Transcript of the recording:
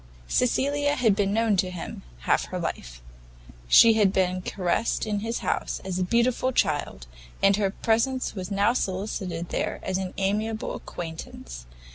Cecilia had been known to him half her life; she had been caressed in his house as a beautiful child, and her presence was now solicited there as an amiable acquaintance.